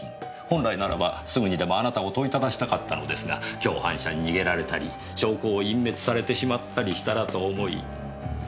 本来ならばすぐにでもあなたを問いただしたかったのですが共犯者に逃げられたり証拠を隠滅されてしまったりしたらと思い時を待っていました。